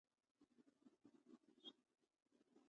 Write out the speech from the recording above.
خوله کې اور لري.